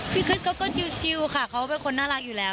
คริสเขาก็ชิวค่ะเขาเป็นคนน่ารักอยู่แล้ว